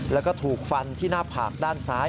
แล้วก็ถูกฟันที่หน้าผากด้านซ้าย